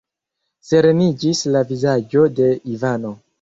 Sereniĝis la vizaĝo de Ivano.